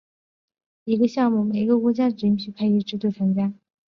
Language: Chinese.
一个项目每个国家只允许派一支队参加。